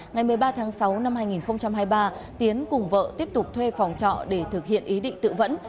ngày một mươi ba tháng sáu năm hai nghìn hai mươi ba tiến cùng vợ tiếp tục thuê phòng trọ để thực hiện ý định tự vẫn